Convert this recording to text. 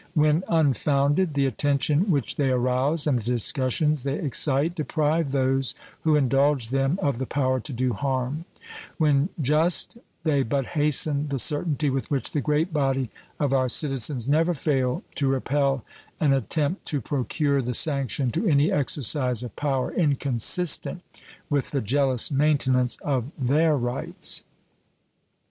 When unfounded the attention which they arouse and the discussions they excite deprive those who indulge them of the power to do harm; when just they but hasten the certainty with which the great body of our citizens never fail to repel an attempt to procure the sanction to any exercise of power inconsistent with the jealous maintenance of their rights.